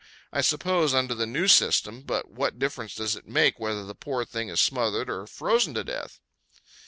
I suppose, under the new system, but what difference does it make whether the poor thing is smothered or frozen to death?